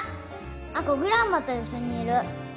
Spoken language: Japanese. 亜子グランマと一緒にいる。